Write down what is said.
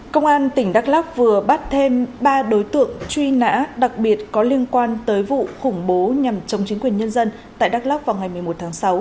công an tp hcm vừa bắt thêm ba đối tượng truy nã đặc biệt có liên quan tới vụ khủng bố nhằm chống chính quyền nhân dân tại đắk lắk vào ngày một mươi một tháng sáu